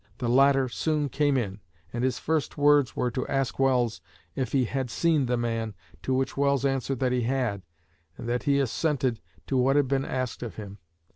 The latter soon came in, and his first words were to ask Welles if he "had seen the man," to which Welles answered that he had, and that he assented to what had been asked of him.